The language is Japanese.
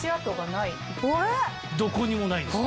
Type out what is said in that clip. どこにもないんですね。